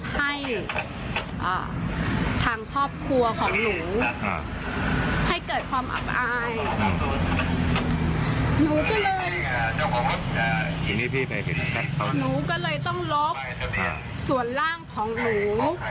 หนูก็เลยต้องลบส่วนร่างของหนู